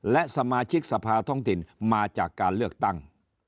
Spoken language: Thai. และสมาชิกสภาท้องถิ่นมาจากการเลือกตั้ง